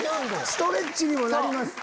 ストレッチにもなります。